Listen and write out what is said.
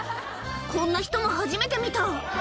こんな人も初めて見た。